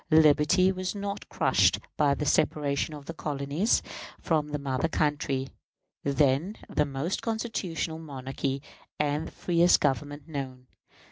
Liberty was not crushed by the separation of the colonies from the mother country, then the most constitutional monarchy and the freest Government known.